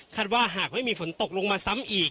ว่าหากไม่มีฝนตกลงมาซ้ำอีก